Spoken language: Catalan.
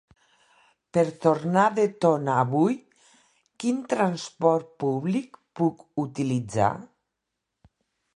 Per tornar de Tona avui, quin transport públic puc utilitzar?